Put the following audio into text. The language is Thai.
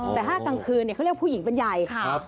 แต่ถ้ากลางคืนเขาเรียกผู้หญิงเป็นใหญ่